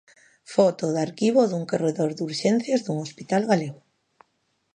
Foto de arquivo dun corredor de Urxencias dun hospital galego.